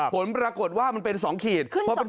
ผลปรากฏว่ามันเป็น๒ขีด